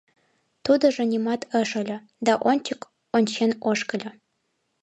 Тудыжо нимат ыш ойло да ончык ончен ошкыльо.